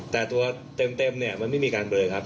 แต่ตัวเต็มเนี่ยมันไม่มีการเบลอครับ